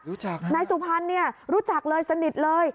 รู้จักนะนายสุพรรณเนี่ยรู้จักเลยสนิทเลย